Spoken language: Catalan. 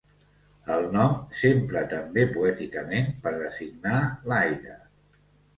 El nom s'empra també poèticament per designar l'aire.